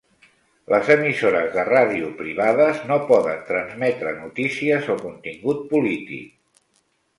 Les emissores de ràdio privades no poden transmetre notícies o contingut polític.